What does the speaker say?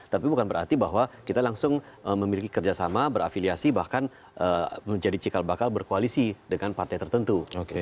tapi bukan berarti bahwa kita langsung memiliki kerjasama berafiliasi bahkan menjadi cikal bakal berkoalisi dengan partai tertentu